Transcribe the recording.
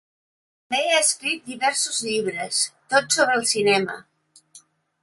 També ha escrit diversos llibres, tots sobre el cinema.